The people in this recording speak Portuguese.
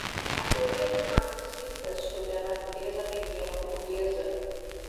a teoria dos marxistas sobre a natureza pequeno-burguesa